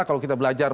kalau kita belajar